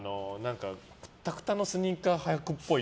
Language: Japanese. くたくたのスニーカーはくっぽい。